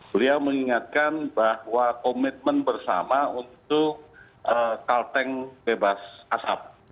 beliau mengingatkan bahwa komitmen bersama untuk kalteng bebas asap